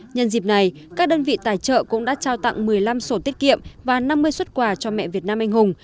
nhân dịp này các đơn vị tài trợ cũng đã trao tặng một mươi năm sổ tiết kiệm và năm mươi xuất quà cho mẹ việt nam anh hùng